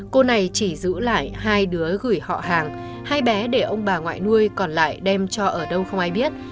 cô này chỉ giữ lại hai đứa gửi họ hàng hai bé để ông bà ngoại nuôi còn lại đem cho ở đâu không ai biết